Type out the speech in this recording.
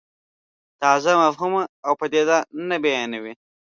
تازه مفهوم او پدیده نه بیانوي.